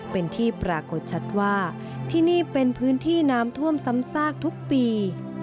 เป็นที่ปรากฏชัดว่าที่นี่เป็นพื้นที่น้ำท่วมซ้ำซากทุกปี